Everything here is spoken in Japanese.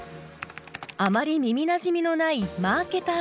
あまり耳なじみのないマーケターという仕事。